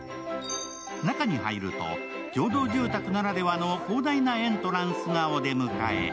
中に入ると共同住宅ならではの広大なエントランスがお迎え。